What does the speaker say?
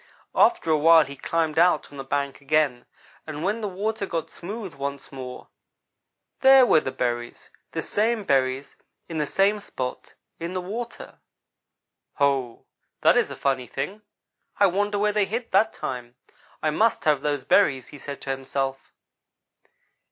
"After a while he climbed out on the bank again, and when the water got smooth once more there were the berries the same berries, in the same spot in the water. "'Ho! that is a funny thing. I wonder where they hid that time. I must have those berries!' he said to himself.